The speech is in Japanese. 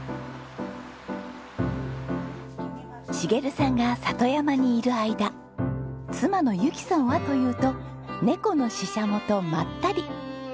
茂さんが里山にいる間妻の由紀さんはというとネコのししゃもとまったり。